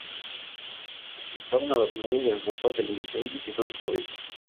Estaban adornando las ropas de los difuntos y sus cabellos.